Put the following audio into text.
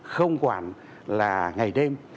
không quản là ngày đêm